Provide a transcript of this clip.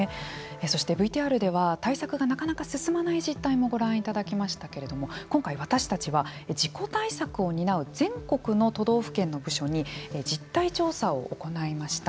そしてＶＴＲでは対策がなかなか進まない実態もご覧いただきましたけれども今回、私たちは事故対策を担う全国の都道府県の部署に実態調査を行いました。